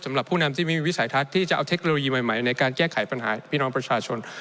สำหรับผู้นำที่มีวิสัยทัศน์ที่จะเอาเทคโนโลยีใหม่ในการแก้ไขปัญหาพี่น้องประชาชน